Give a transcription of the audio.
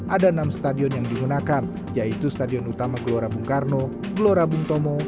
ada enam stadion yang digunakan yaitu stadion utama gelora bung karno gelora bung tomo